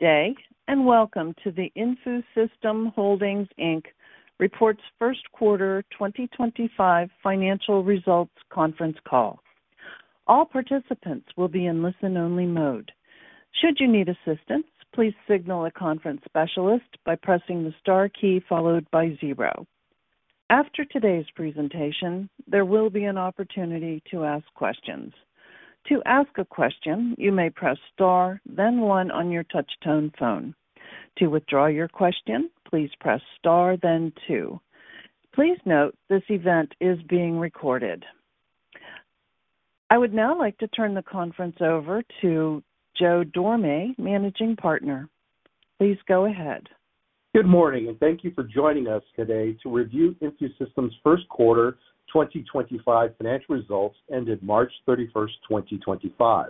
Today, and welcome to the InfuSystem Holdings Reports First Quarter 2025 Financial Results Conference Call. All participants will be in listen-only mode. Should you need assistance, please signal a conference specialist by pressing the star key followed by zero. After today's presentation, there will be an opportunity to ask questions. To ask a question, you may press star, then one on your touch-tone phone. To withdraw your question, please press star, then two. Please note this event is being recorded. I would now like to turn the conference over to Joe Dorame, Managing Partner. Please go ahead. Good morning, and thank you for joining us today to review InfuSystem's first quarter 2025 financial results ended March 31, 2025.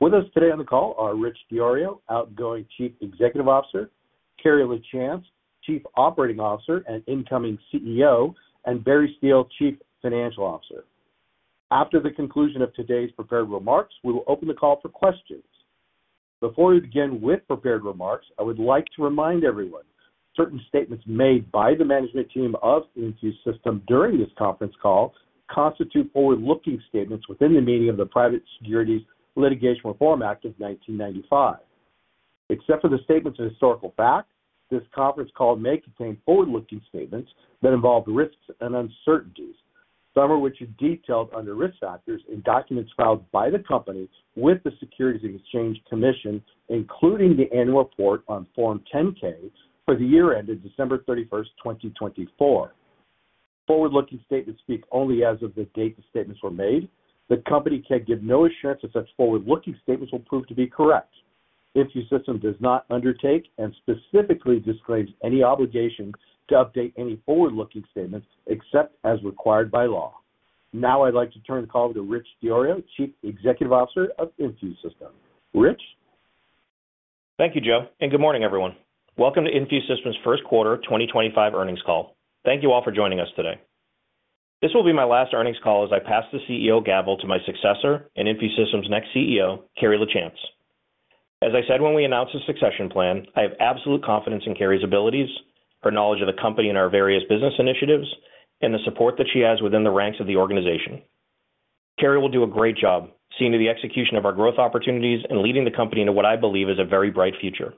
With us today on the call are Rich DiIorio, Outgoing Chief Executive Officer; Carrie Lachance, Chief Operating Officer and Incoming CEO; and Barry Steele, Chief Financial Officer. After the conclusion of today's prepared remarks, we will open the call for questions. Before we begin with prepared remarks, I would like to remind everyone certain statements made by the management team of InfuSystem during this conference call constitute forward-looking statements within the meaning of the Private Securities Litigation Reform Act of 1995. Except for the statements of historical fact, this conference call may contain forward-looking statements that involve risks and uncertainties, some of which are detailed under Risk Factors in documents filed by the company with the Securities and Exchange Commission, including the annual report on Form 10-K for the year ended December 31, 2024. Forward-looking statements speak only as of the date the statements were made. The company can give no assurance that such forward-looking statements will prove to be correct. InfuSystem does not undertake and specifically disclaims any obligation to update any forward-looking statements except as required by law. Now I'd like to turn the call over to Rich DiIorio, Chief Executive Officer of InfuSystem. Rich? Thank you, Joe, and good morning, everyone. Welcome to InfuSystem's first quarter 2025 earnings call. Thank you all for joining us today. This will be my last earnings call as I pass the CEO gavel to my successor and InfuSystem's next CEO, Carrie Lachance. As I said when we announced the succession plan, I have absolute confidence in Carrie's abilities, her knowledge of the company and our various business initiatives, and the support that she has within the ranks of the organization. Carrie will do a great job seeing to the execution of our growth opportunities and leading the company into what I believe is a very bright future.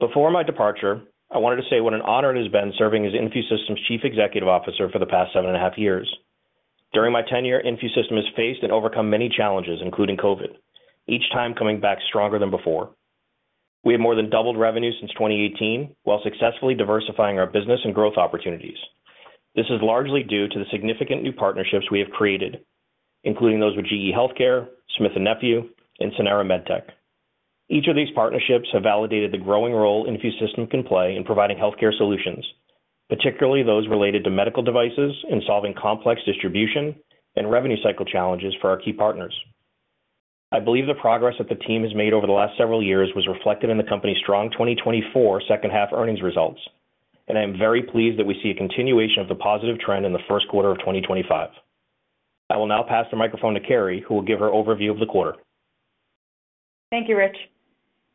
Before my departure, I wanted to say what an honor it has been serving as InfuSystem's Chief Executive Officer for the past seven and a half years. During my tenure, InfuSystem has faced and overcome many challenges, including COVID, each time coming back stronger than before. We have more than doubled revenue since 2018 while successfully diversifying our business and growth opportunities. This is largely due to the significant new partnerships we have created, including those with GE Healthcare, Smith & Nephew, and Sanara MedTech. Each of these partnerships has validated the growing role InfuSystem can play in providing healthcare solutions, particularly those related to medical devices and solving complex distribution and revenue cycle challenges for our key partners. I believe the progress that the team has made over the last several years was reflected in the company's strong 2024 second-half earnings results, and I am very pleased that we see a continuation of the positive trend in the first quarter of 2025. I will now pass the microphone to Carrie, who will give her overview of the quarter. Thank you, Rich.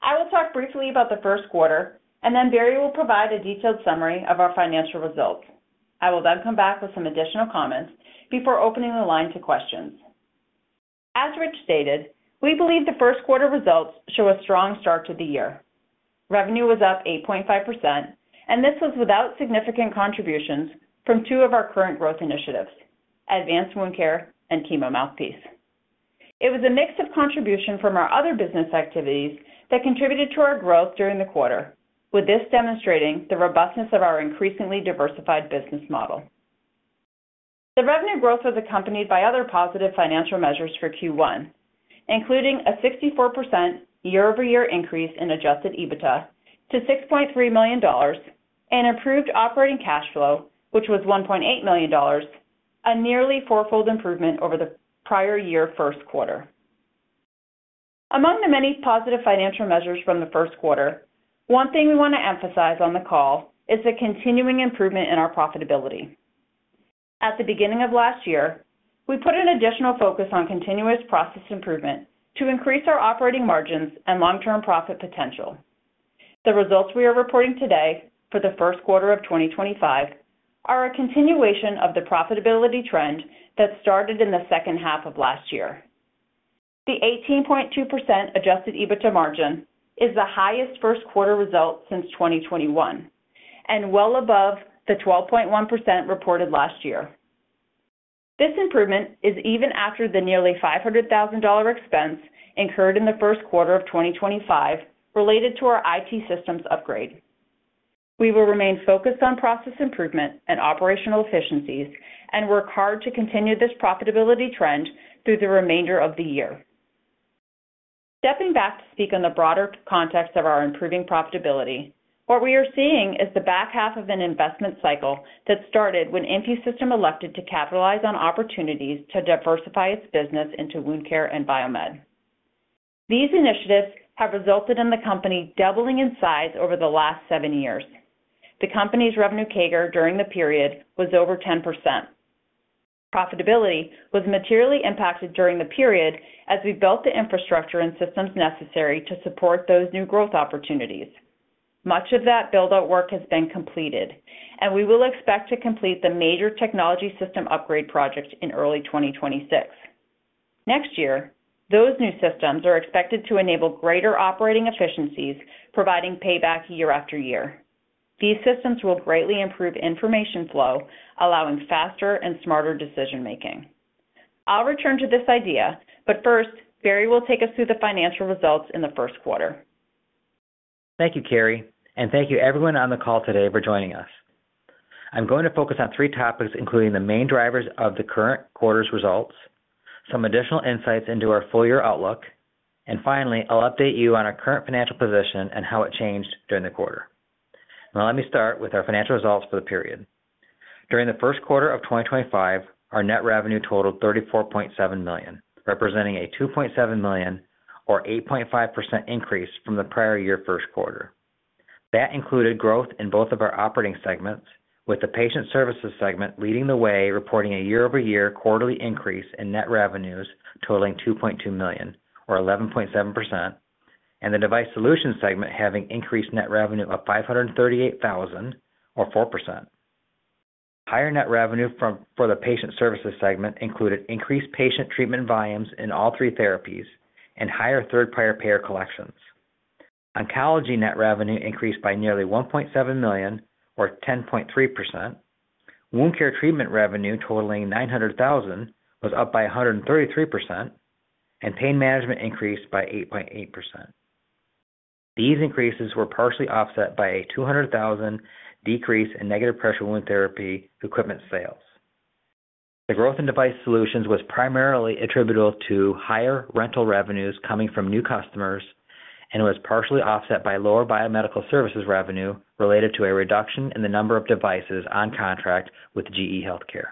I will talk briefly about the first quarter, and then Barry will provide a detailed summary of our financial results. I will then come back with some additional comments before opening the line to questions. As Rich stated, we believe the first quarter results show a strong start to the year. Revenue was up 8.5%, and this was without significant contributions from two of our current growth initiatives, Advanced Wound Care and Chemo Mouthpiece. It was a mix of contribution from our other business activities that contributed to our growth during the quarter, with this demonstrating the robustness of our increasingly diversified business model. The revenue growth was accompanied by other positive financial measures for Q1, including a 64% year-over-year increase in Adjusted EBITDA to $6.3 million and improved operating cash flow, which was $1.8 million, a nearly four-fold improvement over the prior year's first quarter. Among the many positive financial measures from the first quarter, one thing we want to emphasize on the call is the continuing improvement in our profitability. At the beginning of last year, we put an additional focus on continuous process improvement to increase our operating margins and long-term profit potential. The results we are reporting today for the first quarter of 2025 are a continuation of the profitability trend that started in the second half of last year. The 18.2% Adjusted EBITDA margin is the highest first quarter result since 2021 and well above the 12.1% reported last year. This improvement is even after the nearly $500,000 expense incurred in the first quarter of 2025 related to our IT systems upgrade. We will remain focused on process improvement and operational efficiencies and work hard to continue this profitability trend through the remainder of the year. Stepping back to speak on the broader context of our improving profitability, what we are seeing is the back half of an investment cycle that started when InfuSystem elected to capitalize on opportunities to diversify its business into Wound Care and Biomed. These initiatives have resulted in the company doubling in size over the last seven years. The company's revenue CAGR during the period was over 10%. Profitability was materially impacted during the period as we built the infrastructure and systems necessary to support those new growth opportunities. Much of that build-out work has been completed, and we will expect to complete the major technology system upgrade project in early 2026. Next year, those new systems are expected to enable greater operating efficiencies, providing payback year after year. These systems will greatly improve information flow, allowing faster and smarter decision-making. I'll return to this idea, but first, Barry will take us through the financial results in the first quarter. Thank you, Carrie, and thank you everyone on the call today for joining us. I'm going to focus on three topics, including the main drivers of the current quarter's results, some additional insights into our full-year outlook, and finally, I'll update you on our current financial position and how it changed during the quarter. Now, let me start with our financial results for the period. During the first quarter of 2025, our net revenue totaled $34.7 million, representing a $2.7 million or 8.5% increase from the prior year's first quarter. That included growth in both of our operating segments, with the Patient Services Segment leading the way, reporting a year-over-year quarterly increase in net revenues totaling $2.2 million or 11.7%, and the Device Solutions Segment having increased net revenue of $538,000 or 4%. Higher net revenue for the Patient Services Segment included increased patient treatment volumes in all three therapies and higher third-party payer collections. Oncology net revenue increased by nearly $1.7 million or 10.3%. Wound care treatment revenue totaling $900,000 was up by 133%, and Pain Management increased by 8.8%. These increases were partially offset by a $200,000 decrease in Negative Pressure Wound Therapy equipment sales. The growth in device solutions was primarily attributable to higher rental revenues coming from new customers and was partially offset by lower Biomedical Services revenue related to a reduction in the number of devices on contract with GE Healthcare.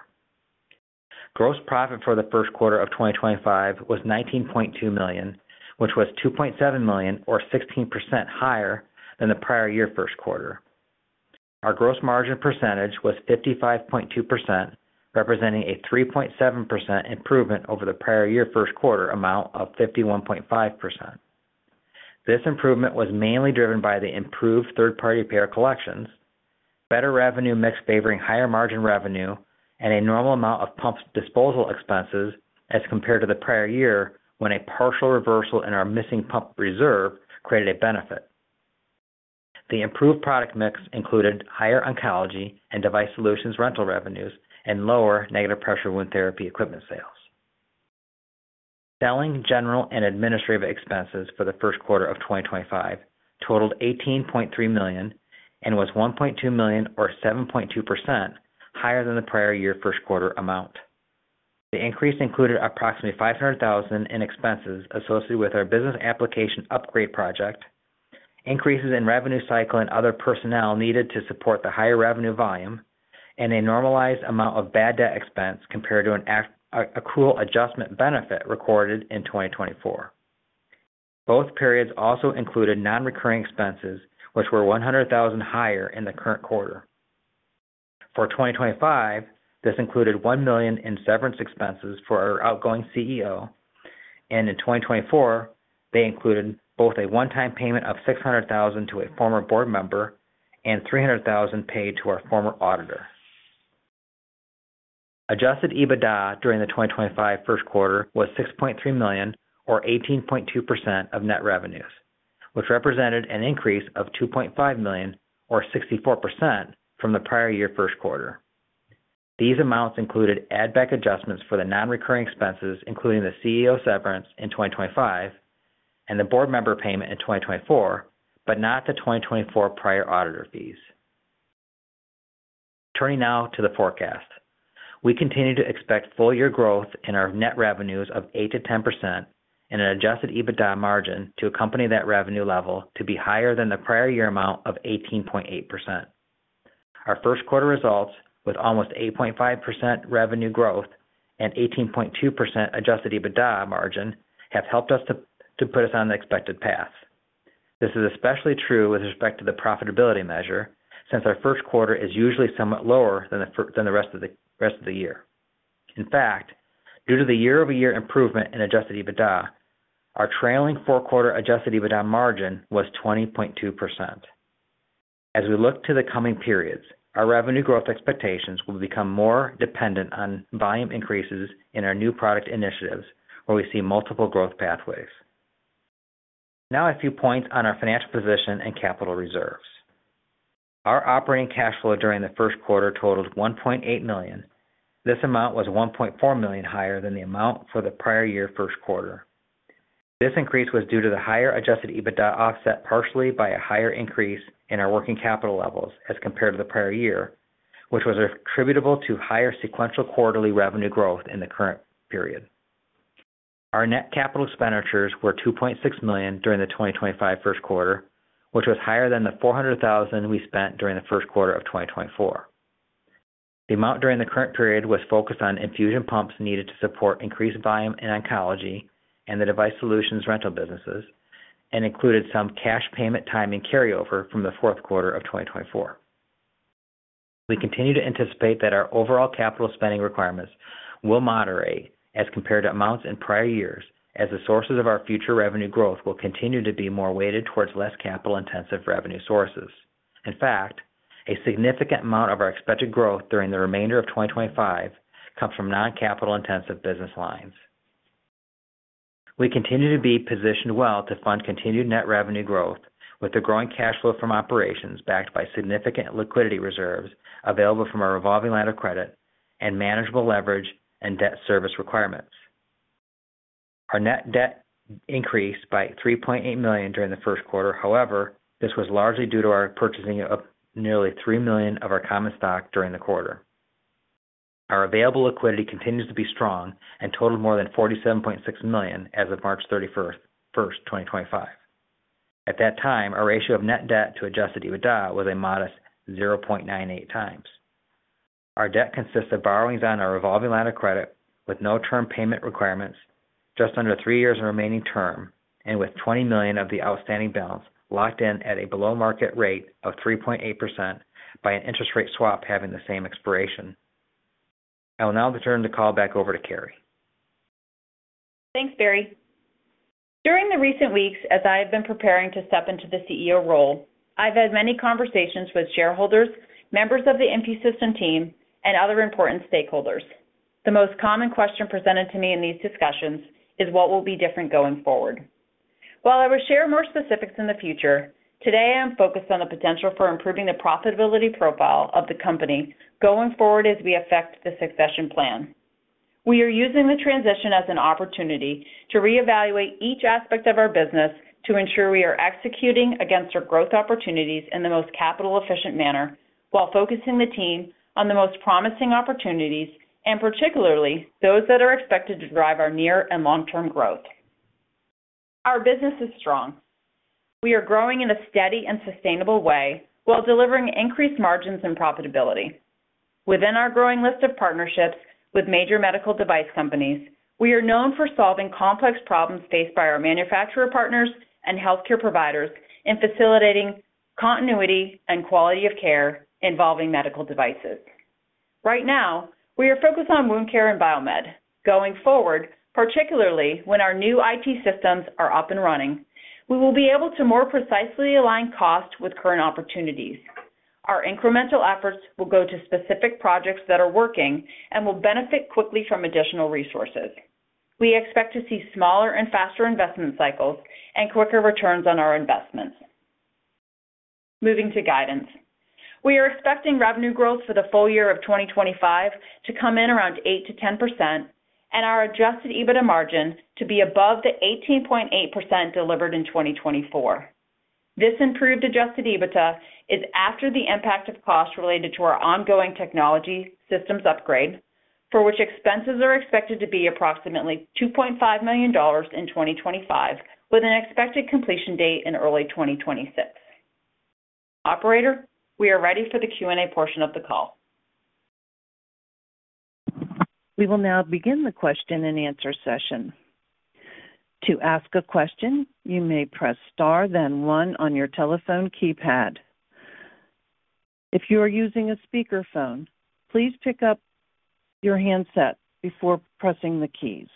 Gross profit for the first quarter of 2025 was $19.2 million, which was $2.7 million or 16% higher than the prior year's first quarter. Our gross margin percentage was 55.2%, representing a 3.7% improvement over the prior year's first quarter amount of 51.5%. This improvement was mainly driven by the improved third-party payer collections, better revenue mix favoring higher margin revenue, and a normal amount of pump disposal expenses as compared to the prior year when a partial reversal in our missing pump reserve created a benefit. The improved product mix included higher Oncology and device solutions rental revenues and lower Negative Pressure Wound Therapy equipment sales. Selling, general, and administrative expenses for the first quarter of 2025 totaled $18.3 million and was $1.2 million or 7.2% higher than the prior year's first quarter amount. The increase included approximately $500,000 in expenses associated with our business application upgrade project, increases in revenue cycle and other personnel needed to support the higher revenue volume, and a normalized amount of bad debt expense compared to an Accrual Adjustment Benefit recorded in 2024. Both periods also included non-recurring expenses, which were $100,000 higher in the current quarter. For 2025, this included $1 million in severance expenses for our outgoing CEO, and in 2024, they included both a one-time payment of $600,000 to a former board member and $300,000 paid to our former auditor. Adjusted EBITDA during the 2025 first quarter was $6.3 million or 18.2% of net revenues, which represented an increase of $2.5 million or 64% from the prior year's first quarter. These amounts included add-back adjustments for the non-recurring expenses, including the CEO severance in 2025 and the board member payment in 2024, but not the 2024 prior auditor fees. Turning now to the forecast, we continue to expect full-year growth in our net revenues of 8%-10% and an Adjusted EBITDA margin to accompany that revenue level to be higher than the prior year amount of 18.8%. Our first quarter results, with almost 8.5% revenue growth and 18.2% Adjusted EBITDA margin, have helped us to put us on the expected path. This is especially true with respect to the profitability measure, since our first quarter is usually somewhat lower than the rest of the year. In fact, due to the year-over-year improvement in Adjusted EBITDA, our trailing four-quarter Adjusted EBITDA margin was 20.2%. As we look to the coming periods, our revenue growth expectations will become more dependent on volume increases in our new product initiatives, where we see multiple growth pathways. Now, a few points on our financial position and capital reserves. Our operating cash flow during the first quarter totaled $1.8 million. This amount was $1.4 million higher than the amount for the prior year's first quarter. This increase was due to the higher Adjusted EBITDA offset partially by a higher increase in our working capital levels as compared to the prior year, which was attributable to higher sequential quarterly revenue growth in the current period. Our net capital expenditures were $2.6 million during the 2025 first quarter, which was higher than the $400,000 we spent during the first quarter of 2024. The amount during the current period was focused on infusion pumps needed to support increased volume in Oncology and the device solutions rental businesses and included some cash payment timing carryover from the fourth quarter of 2024. We continue to anticipate that our overall capital spending requirements will moderate as compared to amounts in prior years, as the sources of our future revenue growth will continue to be more weighted towards less capital-intensive revenue sources. In fact, a significant amount of our expected growth during the remainder of 2025 comes from non-capital-intensive business lines. We continue to be positioned well to fund continued net revenue growth with the growing cash flow from operations backed by significant liquidity reserves available from our revolving line of credit and manageable leverage and debt service requirements. Our net debt increased by $3.8 million during the first quarter. However, this was largely due to our purchasing of nearly $3 million of our common stock during the quarter. Our available liquidity continues to be strong and totaled more than $47.6 million as of March 31, 2025. At that time, our ratio of net debt to Adjusted EBITDA was a modest 0.98x. Our debt consists of borrowings on our revolving line of credit with no term payment requirements, just under three years of remaining term, and with $20 million of the outstanding balance locked in at a below-market rate of 3.8% by an interest rate swap having the same expiration. I will now turn the call back over to Carrie. Thanks, Barry. During the recent weeks, as I have been preparing to step into the CEO role, I've had many conversations with shareholders, members of the InfuSystem team, and other important stakeholders. The most common question presented to me in these discussions is, "What will be different going forward?" While I will share more specifics in the future, today I am focused on the potential for improving the profitability profile of the company going forward as we affect the succession plan. We are using the transition as an opportunity to reevaluate each aspect of our business to ensure we are executing against our growth opportunities in the most capital-efficient manner while focusing the team on the most promising opportunities and particularly those that are expected to drive our near and long-term growth. Our business is strong. We are growing in a steady and sustainable way while delivering increased margins and profitability. Within our growing list of partnerships with major medical device companies, we are known for solving complex problems faced by our manufacturer partners and healthcare providers in facilitating continuity and quality of care involving medical devices. Right now, we are focused on Wound Care and Biomed. Going forward, particularly when our new IT systems are up and running, we will be able to more precisely align cost with current opportunities. Our incremental efforts will go to specific projects that are working and will benefit quickly from additional resources. We expect to see smaller and faster investment cycles and quicker returns on our investments. Moving to guidance, we are expecting revenue growth for the full year of 2025 to come in around 8%-10% and our Adjusted EBITDA margin to be above the 18.8% delivered in 2024. This improved Adjusted EBITDA is after the impact of costs related to our ongoing technology systems upgrade, for which expenses are expected to be approximately $2.5 million in 2025, with an expected completion date in early 2026. Operator, we are ready for the Q&A portion of the call. We will now begin the question-and-answer session. To ask a question, you may press star, then one on your telephone keypad. If you are using a speakerphone, please pick up your handset before pressing the keys.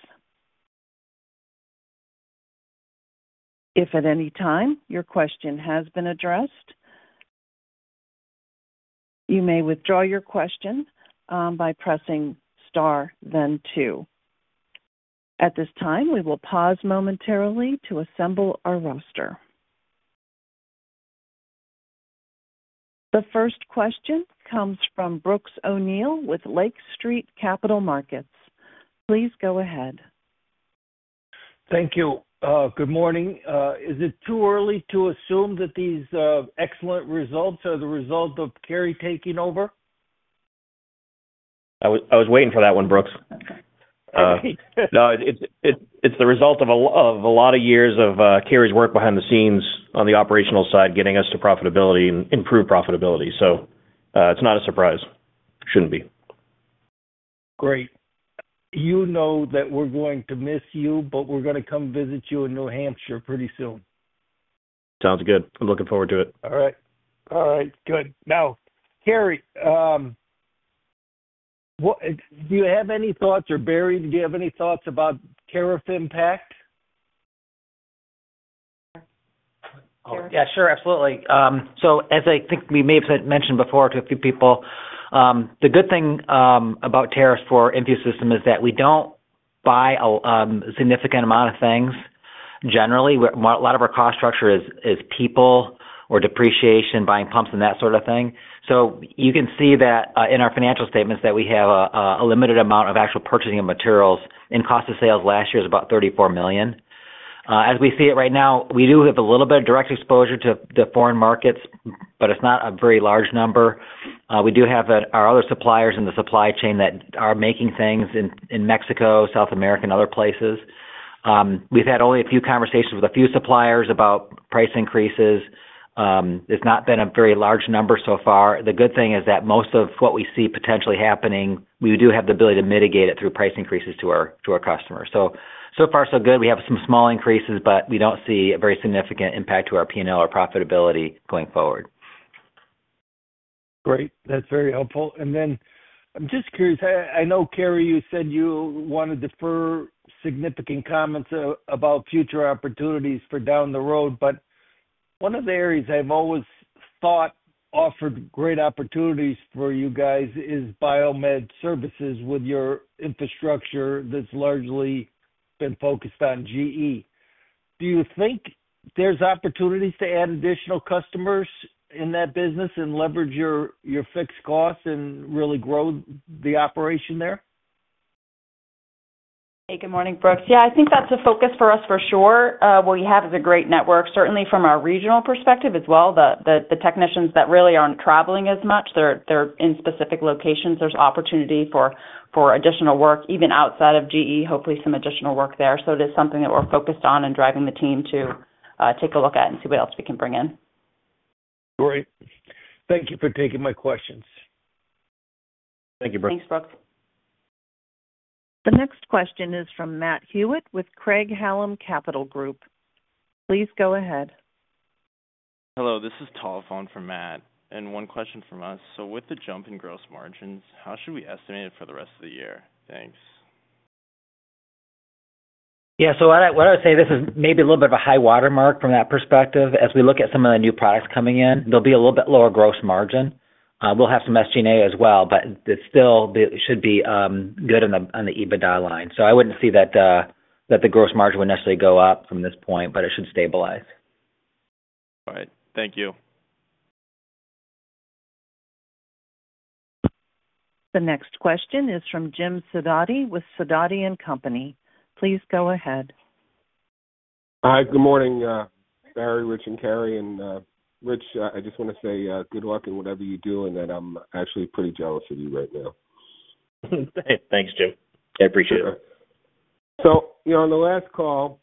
If at any time your question has been addressed, you may withdraw your question by pressing star, then two. At this time, we will pause momentarily to assemble our roster. The first question comes from Brooks O'Neill with Lake Street Capital Markets. Please go ahead. Thank you. Good morning. Is it too early to assume that these excellent results are the result of Carrie taking over? I was waiting for that one, Brooks. Okay. No, it's the result of a lot of years of Carrie's work behind the scenes on the operational side getting us to profitability and improved profitability. So it's not a surprise. Shouldn't be. Great. You know that we're going to miss you, but we're going to come visit you in New Hampshire pretty soon. Sounds good. I'm looking forward to it. All right. All right. Good. Now, Carrie, do you have any thoughts or, Barry, do you have any thoughts about tariff impact? Yeah, sure. Absolutely. As I think we may have mentioned before to a few people, the good thing about tariffs for InfuSystem is that we do not buy a significant amount of things generally. A lot of our cost structure is people or depreciation, buying pumps and that sort of thing. You can see that in our financial statements that we have a limited amount of actual purchasing of materials, and cost of sales last year is about $34 million. As we see it right now, we do have a little bit of direct exposure to the foreign markets, but it is not a very large number. We do have our other suppliers in the supply chain that are making things in Mexico, South America, and other places. We have had only a few conversations with a few suppliers about price increases. It has not been a very large number so far. The good thing is that most of what we see potentially happening, we do have the ability to mitigate it through price increases to our customers. So far, so good. We have some small increases, but we do not see a very significant impact to our P&L or profitability going forward. Great. That's very helpful. I'm just curious. I know, Carrie, you said you want to defer significant comments about future opportunities for down the road, but one of the areas I've always thought offered great opportunities for you guys is Biomed services with your infrastructure that's largely been focused on GE. Do you think there's opportunities to add additional customers in that business and leverage your fixed costs and really grow the operation there? Hey, good morning, Brooks. Yeah, I think that's a focus for us for sure. What we have is a great network, certainly from our regional perspective as well. The technicians that really aren't traveling as much, they're in specific locations. There's opportunity for additional work even outside of GE, hopefully some additional work there. It is something that we're focused on and driving the team to take a look at and see what else we can bring in. Great. Thank you for taking my questions. Thank you, Brooks. Thanks, Brooks. The next question is from Matt Hewitt with Craig-Hallum Capital Group. Please go ahead. Hello. This is a telephone from Matt. And one question from us. So with the jump in gross margins, how should we estimate it for the rest of the year? Thanks. Yeah. What I would say, this is maybe a little bit of a high-water mark from that perspective. As we look at some of the new products coming in, there'll be a little bit lower gross margin. We'll have some SG&A as well, but it still should be good on the EBITDA line. I wouldn't see that the gross margin would necessarily go up from this point, but it should stabilize. All right. Thank you. The next question is from Jim Sidoti with Sidoti & Company. Please go ahead. Hi. Good morning, Barry, Rich, and Carrie. Rich, I just want to say good luck in whatever you do, and that I'm actually pretty jealous of you right now. Thanks, Jim. I appreciate it. On the last call,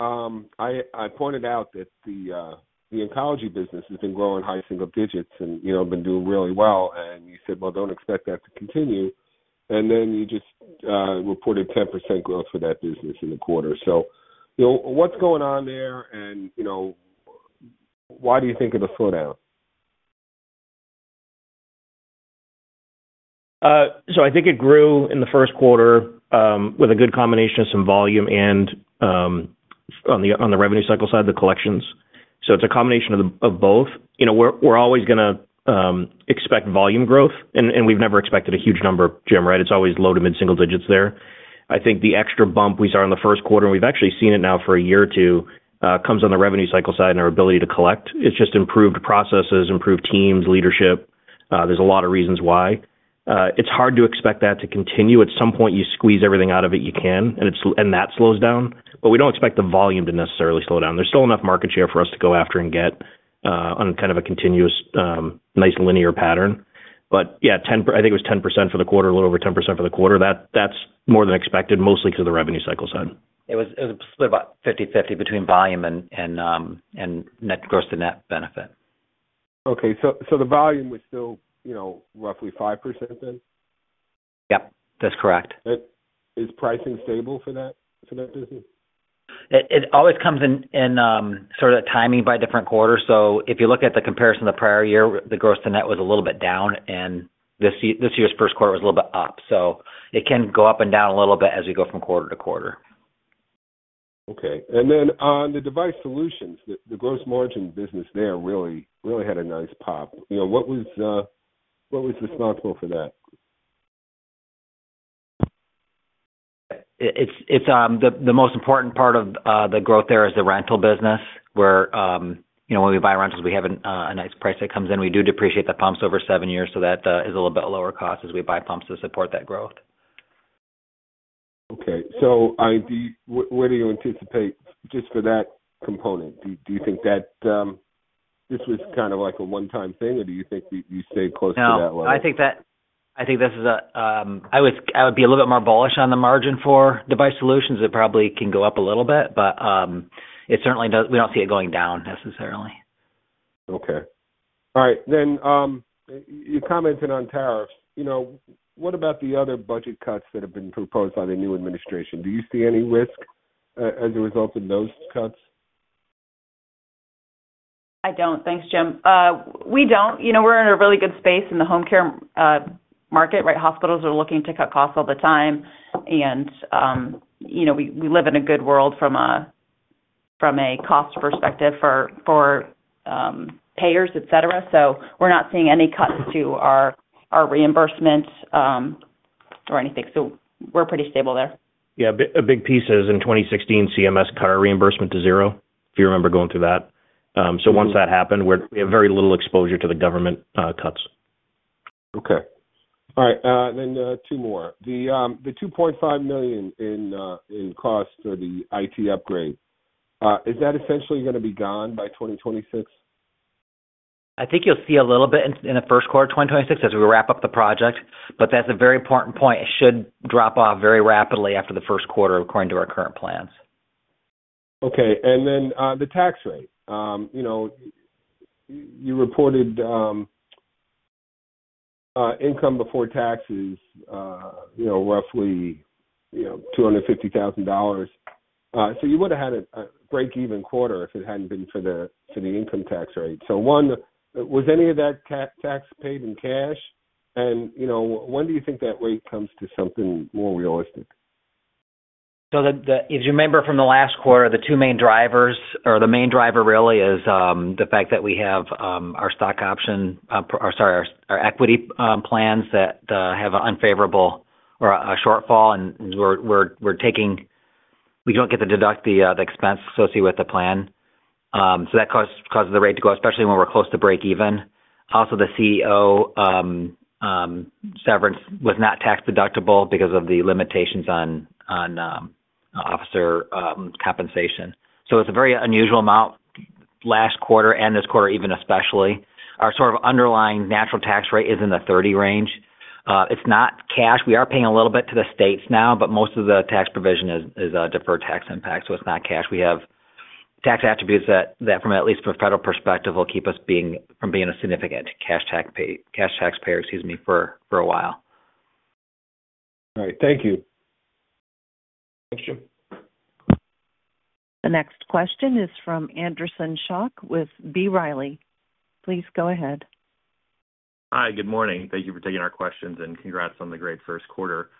I pointed out that the Oncology business has been growing high single digits and been doing really well. You said, "Well, do not expect that to continue." You just reported 10% growth for that business in the quarter. What is going on there? Why do you think of the slowdown? I think it grew in the first quarter with a good combination of some volume and on the revenue cycle side, the collections. It is a combination of both. We are always going to expect volume growth, and we have never expected a huge number, Jim, right? It is always low to mid-single digits there. I think the extra bump we saw in the first quarter, and we have actually seen it now for a year or two, comes on the revenue cycle side and our ability to collect. It is just improved processes, improved teams, leadership. There are a lot of reasons why. It is hard to expect that to continue. At some point, you squeeze everything out of it you can, and that slows down. We do not expect the volume to necessarily slow down. There's still enough market share for us to go after and get on kind of a continuous nice linear pattern. Yeah, I think it was 10% for the quarter, a little over 10% for the quarter. That's more than expected, mostly because of the revenue cycle side. It was split about 50/50 between volume and gross to net benefit. Okay. So the volume was still roughly 5% then? Yep, that's correct. Is pricing stable for that business? It always comes in sort of timing by different quarters. If you look at the comparison of the prior year, the gross to net was a little bit down, and this year's first quarter was a little bit up. It can go up and down a little bit as we go from quarter to quarter. Okay. And then on the device solutions, the gross margin business there really had a nice pop. What was responsible for that? The most important part of the growth there is the rental business, where when we buy rentals, we have a nice price that comes in. We do depreciate the pumps over seven years, so that is a little bit lower cost as we buy pumps to support that growth. Okay. So where do you anticipate just for that component? Do you think that this was kind of like a one-time thing, or do you think you stayed close to that level? No, I think this is a, I would be a little bit more bullish on the margin for device solutions. It probably can go up a little bit, but we do not see it going down necessarily. Okay. All right. Then you commented on tariffs. What about the other budget cuts that have been proposed by the new administration? Do you see any risk as a result of those cuts? I don't. Thanks, Jim. We don't. We're in a really good space in the home care market, right? Hospitals are looking to cut costs all the time. We live in a good world from a cost perspective for payers, etc. We're not seeing any cuts to our reimbursement or anything. We're pretty stable there. Yeah. A big piece is in 2016, CMS cut our reimbursement to zero, if you remember going through that. Once that happened, we have very little exposure to the government cuts. Okay. All right. Then two more. The $2.5 million in cost for the IT upgrade, is that essentially going to be gone by 2026? I think you'll see a little bit in the first quarter of 2026 as we wrap up the project. That is a very important point. It should drop off very rapidly after the first quarter according to our current plans. Okay. And then the tax rate. You reported income before taxes, roughly $250,000. You would have had a break-even quarter if it had not been for the income tax rate. Was any of that tax paid in cash? When do you think that rate comes to something more realistic? If you remember from the last quarter, the two main drivers or the main driver really is the fact that we have our stock option or sorry, our equity plans that have an unfavorable or a shortfall, and we do not get to deduct the expense associated with the plan. That caused the rate to go, especially when we are close to break-even. Also, the CEO severance was not tax-deductible because of the limitations on officer compensation. It is a very unusual amount last quarter and this quarter even especially. Our sort of underlying natural tax rate is in the 30% range. It is not cash. We are paying a little bit to the states now, but most of the tax provision is deferred tax impact. It is not cash. We have tax attributes that, at least from a federal perspective, will keep us from being a significant cash taxpayer, excuse me, for a while. All right. Thank you. Thanks, Jim. The next question is from Anderson Schock with B. Riley. Please go ahead. Hi. Good morning. Thank you for taking our questions and congrats on the great first quarter.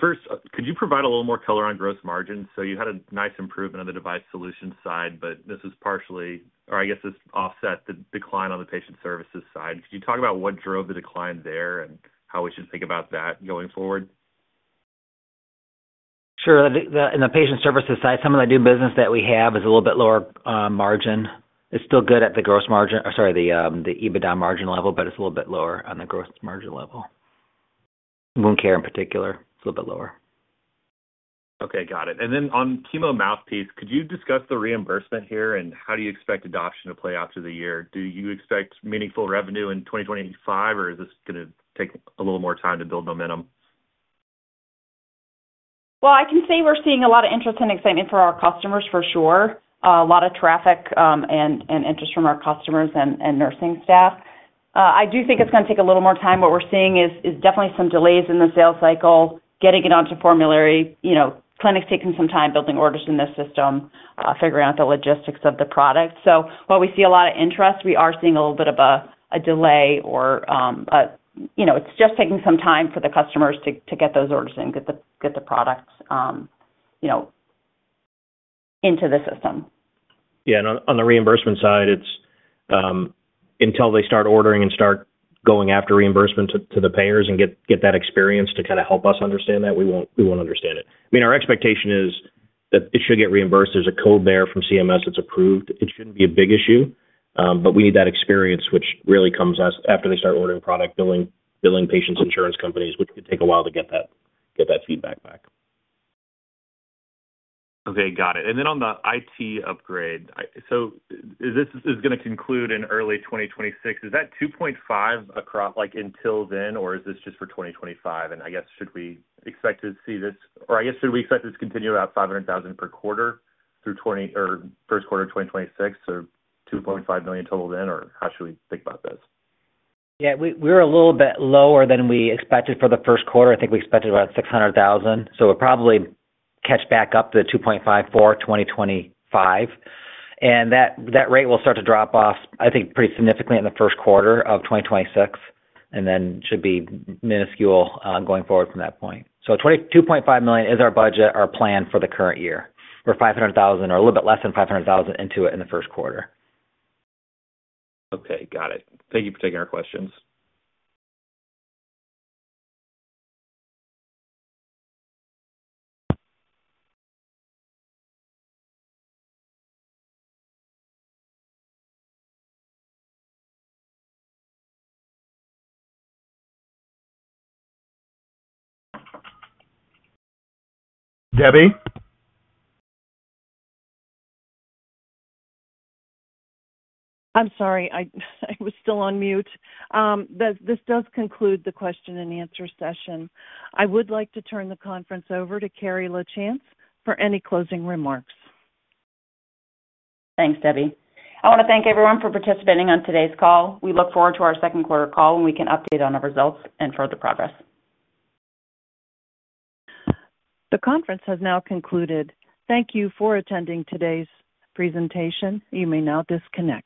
First, could you provide a little more color on gross margins? You had a nice improvement on the device solution side, but this is partially or I guess this offsets the decline on the patient services side. Could you talk about what drove the decline there and how we should think about that going forward? Sure. On the patient services side, some of the new business that we have is a little bit lower margin. It's still good at the gross margin or sorry, the EBITDA margin level, but it's a little bit lower on the gross margin level. Wound Care in particular, it's a little bit lower. Okay. Got it. On chemo mouthpiece, could you discuss the reimbursement here and how do you expect adoption to play out through the year? Do you expect meaningful revenue in 2025, or is this going to take a little more time to build momentum? I can say we're seeing a lot of interest and excitement for our customers for sure. A lot of traffic and interest from our customers and nursing staff. I do think it's going to take a little more time. What we're seeing is definitely some delays in the sales cycle, getting it onto formulary, clinics taking some time building orders in the system, figuring out the logistics of the product. While we see a lot of interest, we are seeing a little bit of a delay or it's just taking some time for the customers to get those orders in, get the products into the system. Yeah. On the reimbursement side, until they start ordering and start going after reimbursement to the payers and get that experience to kind of help us understand that, we won't understand it. I mean, our expectation is that it should get reimbursed. There's a code there from CMS that's approved. It shouldn't be a big issue. We need that experience, which really comes after they start ordering product, billing patients, insurance companies, which could take a while to get that feedback back. Okay. Got it. On the IT upgrade, this is going to conclude in early 2026. Is that $2.5 million until then, or is this just for 2025? Should we expect to see this, or should we expect this to continue about $500,000 per quarter through first quarter of 2026, or $2.5 million total then, or how should we think about this? Yeah. We're a little bit lower than we expected for the first quarter. I think we expected about $600,000. We'll probably catch back up to $2.54 million in 2025. That rate will start to drop off, I think, pretty significantly in the first quarter of 2026, and then it should be minuscule going forward from that point. $2.5 million is our budget, our plan for the current year. We're $500,000 or a little bit less than $500,000 into it in the first quarter. Okay. Got it. Thank you for taking our questions. Debbie? I'm sorry. I was still on mute. This does conclude the question-and-answer session. I would like to turn the conference over to Carrie Lachance for any closing remarks. Thanks, Debbie. I want to thank everyone for participating on today's call. We look forward to our second quarter call when we can update on our results and further progress. The conference has now concluded. Thank you for attending today's presentation. You may now disconnect.